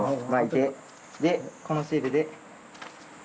でこのシールで。